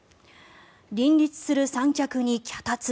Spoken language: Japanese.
林立する三脚に脚立。